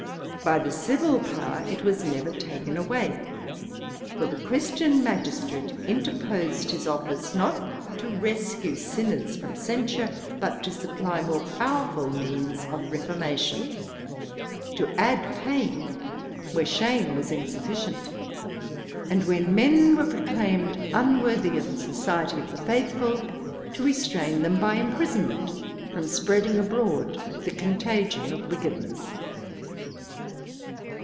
By the civil power it was never taken away; for the Christian magistrate interposed his office, not to rescue sinners from censure, but to supply more powerful means of reformation; to add pain where shame was insufficient; and when men were proclaimed unworthy of the society of the faithful, to restrain them by imprisonment, from spreading abroad the contagion of wickedness.